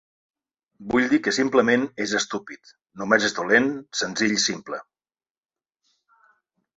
Vull dir que simplement és estúpid, només és dolent, senzill i simple.